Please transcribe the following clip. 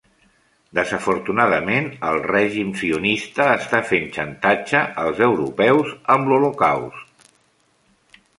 Desafortunadament, el règim sionista està fent xantatge als europeus amb l'Holocaust.